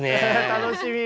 楽しみ。